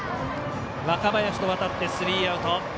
若林へとわたってスリーアウト。